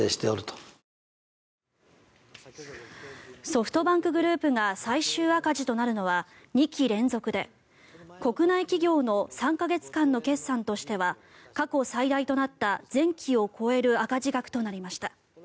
ソフトバンクグループが最終赤字となるのは２期連続で国内企業の３か月間の決算としては過去最大となった前期を超える赤字額となりました。